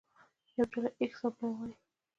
يوه ډله ايکس او بله وايي.